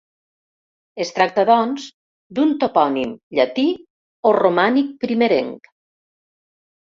Es tracta, doncs, d'un topònim llatí o romànic primerenc.